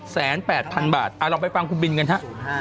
แสน๘๐๐๐บาทเราไปฟังคุณบินกันฮะ